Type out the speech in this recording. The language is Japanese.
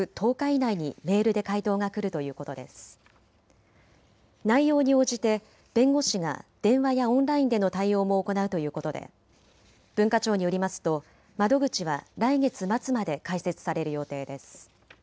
内容に応じて弁護士が電話やオンラインでの対応も行うということで文化庁によりますと窓口は来月末まで開設される予定です。